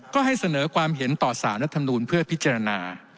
ก็ให้เสนอความเห็นต่อสารรัฐมนูลเพื่อพิจารณา